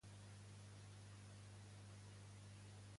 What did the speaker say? Ensenyar-me les noves notícies sobre famosos.